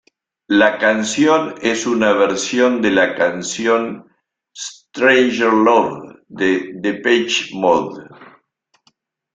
La canción es una versión de la canción 'Strangelove' de Depeche Mode.